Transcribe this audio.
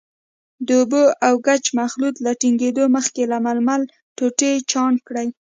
د اوبو او ګچ مخلوط له ټینګېدو مخکې له ململ ټوټې چاڼ کړئ.